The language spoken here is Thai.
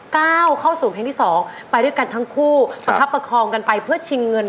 ก้าวเข้าสู่เพลงที่สองไปด้วยกันทั้งคู่ประคับประคองกันไปเพื่อชิงเงิน